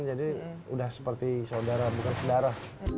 jadi udah seperti saudara bukan saudara